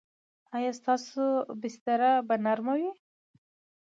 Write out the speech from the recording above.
ایا ستاسو بستره به نرمه وي؟